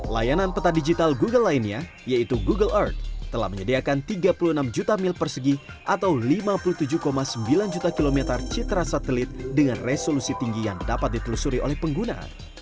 layanan peta digital google lainnya yaitu google art telah menyediakan tiga puluh enam juta mil persegi atau lima puluh tujuh sembilan juta kilometer citra satelit dengan resolusi tinggi yang dapat ditelusuri oleh pengguna